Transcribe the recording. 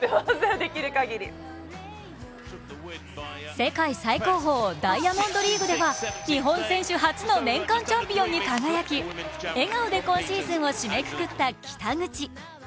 世界最高峰、ダイヤモンドリーグでは日本選手初の年間チャンピオンに輝き笑顔で今シーズンを締めくくった北口。